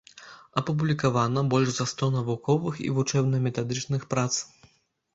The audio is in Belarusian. Апублікавана больш за сто навуковых і вучэбна-метадычных прац.